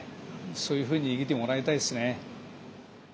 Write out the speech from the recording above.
そういうふうに生きてもらいたいですね。